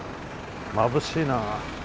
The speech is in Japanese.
まぶしいなあ。